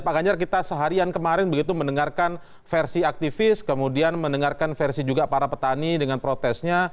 pak ganjar kita seharian kemarin begitu mendengarkan versi aktivis kemudian mendengarkan versi juga para petani dengan protesnya